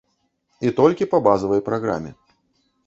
І толькі па базавай праграме.